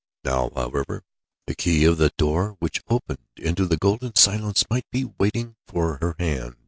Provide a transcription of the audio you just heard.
Now, however, the key of the door which opened into the golden silence might be waiting for her hand.